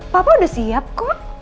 papa udah siap kok